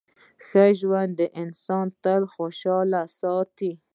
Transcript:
ښه ژوند انسان تل خوشحاله ساتي.